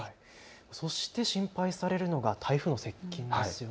そして心配されるのは台風の接近ですよね。